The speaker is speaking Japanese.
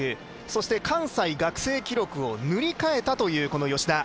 そして関西学生記録を塗り替えたというこの吉田。